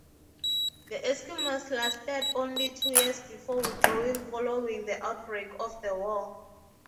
The Eskimos lasted only two years before withdrawing following the outbreak of the war.